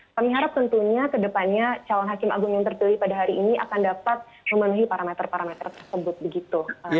kami harap tentunya ke depannya calon hakim agung yang tertulis pada hari ini akan dapat memenuhi parameter parameter tersebut